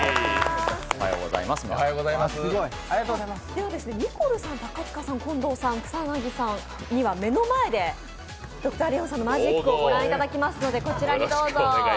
ではニコルさん、高塚さん、近藤さん草薙さんには目の前でＤｒ．レオンさんのマジックを見ていただきますのでどうぞ。